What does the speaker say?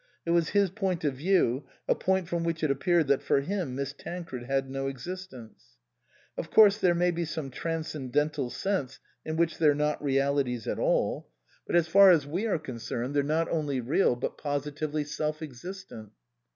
It was his point of view, a point from which it appeared that for him Miss Tancred had no existence.) " Of course there may be some transcendental sense in which they're not realities at all ; but as far as we are 58 INLAND concerned they're not only real, but positively self existent."